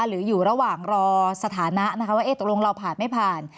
หรืออยู่ระหว่างรอสถานะนะคะว่าตกลงเราผ่านไม่ผ่าน